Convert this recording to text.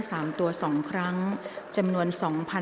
กรรมการท่านที่ห้าได้แก่กรรมการใหม่เลขเก้า